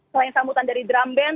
selain sambutan dari drum band